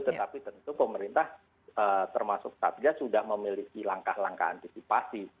tetapi tentu pemerintah termasuk satgas sudah memiliki langkah langkah antisipasi